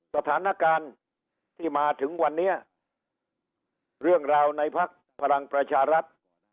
สถานการณ์ที่มาถึงวันนี้เรื่องราวในภักดิ์พลังประชารัฐ